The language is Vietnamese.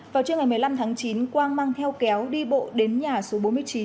vào trưa ngày một mươi năm tháng chín quang mang theo kéo đi bộ đến nhà số bốn mươi chín